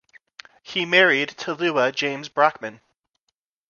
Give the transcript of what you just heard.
He married Tallulah James Brockman.